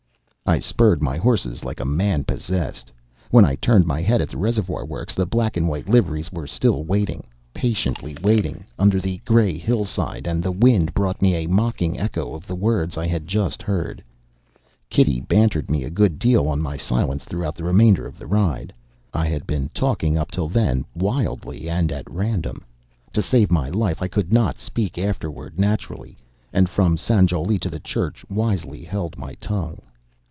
I spurred my horse like a man possessed. When I turned my head at the Reservoir works, the black and white liveries were still waiting patiently waiting under the grey hillside, and the wind brought me a mocking echo of the words I had just heard. Kitty bantered me a good deal on my silence throughout the remainder of the ride. I had been talking up till then wildly and at random. To save my life I could not speak afterward naturally, and from Sanjowlie to the Church wisely held my tongue.